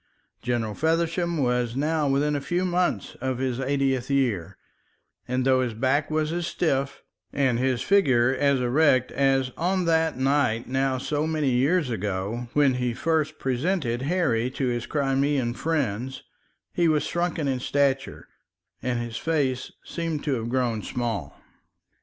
General Feversham was now within a few months of his eightieth year, and though his back was as stiff and his figure as erect as on that night now so many years ago when he first presented Harry to his Crimean friends, he was shrunken in stature, and his face seemed to have grown small.